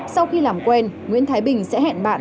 sau khi làm quen nguyễn thái bình sẽ hẹn bạn